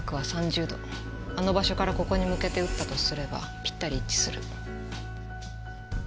あの場所からここに向けて撃ったとすればぴったり一致する。